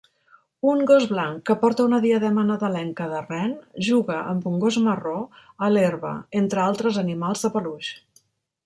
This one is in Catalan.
Un gos blanc que porta una diadema nadalenca de ren juga amb un gos marró a l'herba entre altres animals de peluix